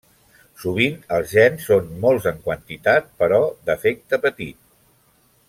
Sovint els gens són molts en quantitat però d'efecte petit.